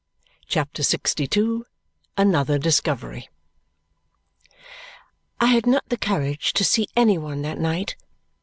CHAPTER LXII Another Discovery I had not the courage to see any one that night.